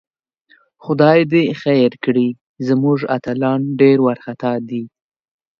خدای دې خیر کړي، زموږ اتلان ډېر وارخطاء دي